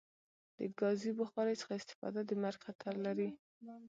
د کازی بخاری څخه استفاده د مرګ خطر لری